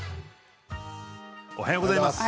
おはようございます。